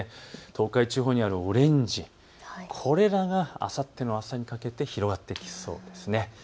東海地方にあるオレンジ、これらがあさっての朝にかけて広がってきそうです。